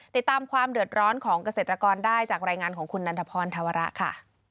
ติดตามความเดือดร้อนของเกษตรกรได้จากรายงานของคุณนันทพรธวระค่ะ